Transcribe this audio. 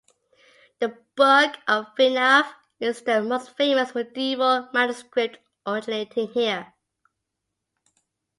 The Book of Fenagh is the most famous medieval manuscript originating here.